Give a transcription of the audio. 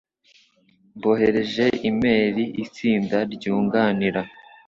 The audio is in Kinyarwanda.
Mboherereje imeri itsinda ryunganira.